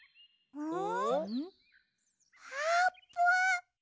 うん！